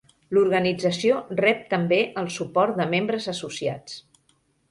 L'organització rep també el suport de membres associats.